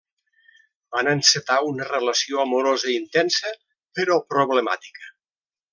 Van encetar una relació amorosa intensa, però problemàtica.